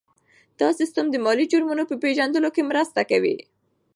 دا سیستم د مالي جرمونو په پېژندلو کې مرسته کوي.